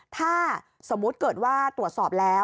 ถ้าสมมุติเกิดว่าตรวจสอบแล้ว